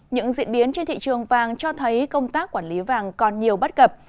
những diễn biến trên thị trường vàng cho thấy công tác quản lý vàng còn nhiều bất cập